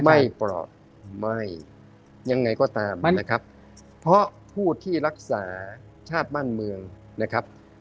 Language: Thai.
ปลอดไม่ยังไงก็ตามนะครับเพราะผู้ที่รักษาชาติบ้านเมืองนะครับ